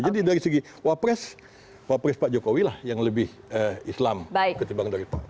jadi dari segi wapres wapres pak jokowi lah yang lebih islam ketimbang dari pak boro